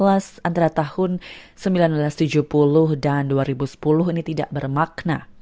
antara tahun seribu sembilan ratus tujuh puluh dan dua ribu sepuluh ini tidak bermakna